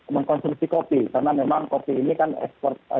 mengkonsumsi kopi karena memang kopi ini kan ekspor